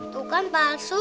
itu kan palsu